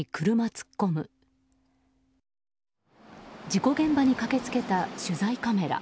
事故現場に駆け付けた取材カメラ。